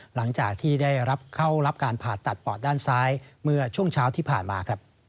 หลังจากที่ได้รับเข้ารับการผ่าตัดปอดด้านซ้ายเมื่อช่วงเช้าที่ผ่านมา